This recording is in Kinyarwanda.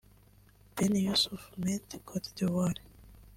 Ben Youssef Meïté (Côte d’Ivoire) -